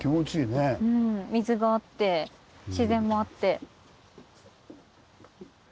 水があって自然もあって。